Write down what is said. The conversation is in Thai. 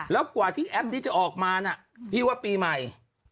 แล้วกว่าที่แอปนี้จะออกมานะพี่ว่าปีใหม่